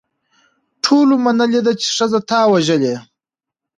ټولو منلې ده چې ښځه تا وژلې.